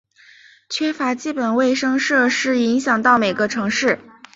缺乏基本卫生设施影响到每个城市。